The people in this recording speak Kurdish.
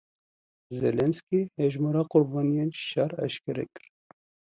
Zelensky hejmara qurbaniyên şer eşkere kir.